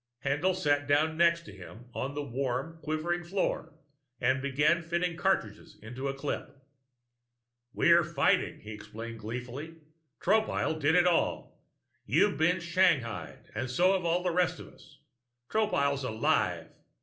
Haendl sat down next to him on the warm, quivering floor and began fitting cartridges into a clip. "We're fighting," he explained gleefully. "Tropile did it all. You've been shanghaied and so have all the rest of us. Tropile's alive!